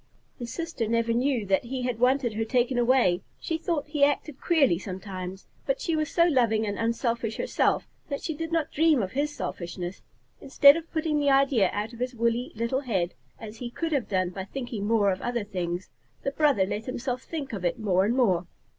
His sister never knew that he had wanted her taken away. She thought he acted queerly sometimes, but she was so loving and unselfish herself that she did not dream of his selfishness. Instead of putting the idea out of his woolly little head, as he could have done by thinking more of other things, the brother let himself think of it more and more.